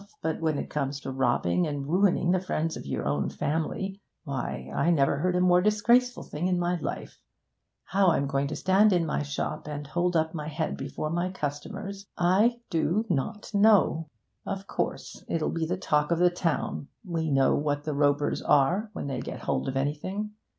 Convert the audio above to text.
But when it comes to robbing and ruining the friends of your own family why, I never heard a more disgraceful thing in my life. How I'm going to stand in my shop, and hold up my head before my customers, I do not know. Of course, it'll be the talk of the town; we know what the Ropers are when they get hold of anything.